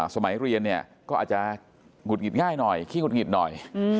สมัยเรียนเนี่ยก็อาจจะหงุดหงิดง่ายหน่อยขี้หุดหงิดหน่อย